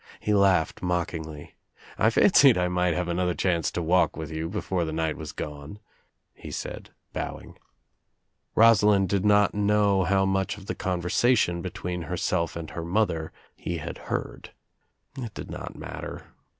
He laughed mockingly. "I fancied I might have another chance to walk with you before the night was gone," he said bowing. Rosa OUT OF NOWHERE INTO NOTHING 265 lind did not know how much of the conversation be* twecn herself and her mother he had heard. It did not matter.